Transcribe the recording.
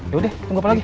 yaudah tunggu apa lagi